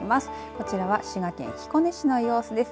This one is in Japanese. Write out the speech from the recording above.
こちらは滋賀県彦根市の様子です。